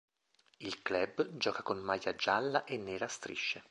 Il club gioca con maglia gialla e nera a strisce.